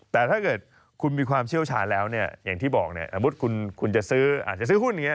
แต่ถ้าเกิดคุณมีความเชี่ยวชาญแล้วเนี่ยอย่างที่บอกเนี่ย